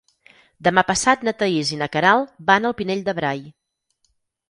Demà passat na Thaís i na Queralt van al Pinell de Brai.